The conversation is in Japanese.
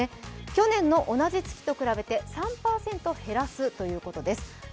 去年の同じ月と比べて３％減らすということです。